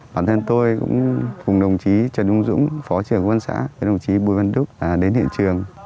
bản thân tôi cũng cùng đồng chí trần dũng dũng phó trưởng quân xã đồng chí bùi văn đúc đến hiện trường